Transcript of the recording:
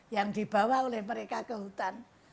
yang dibawa oleh mereka ke hutan